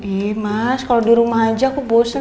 ih mas kalo dirumah aja aku bosen dong